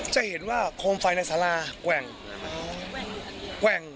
จะเห็นว่าโครงไฟในสาราแกว่ง